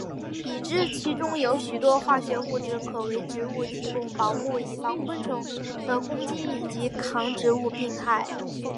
已知其中有许多化学物质可为植物提供保护以防昆虫的攻击以及抗植物病害。